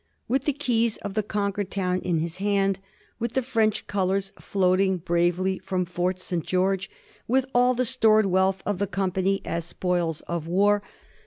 With the keys of the conquered town in his hand, with the French colors floating bravely from Fort St. George, with all the stored wealth of the company as spoils of war.